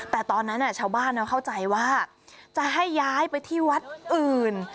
แต่ตอนนั้นชาวบ้านเข้าใจว่าจะให้ย้ายไปที่วัดอื่น